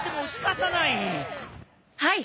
はい！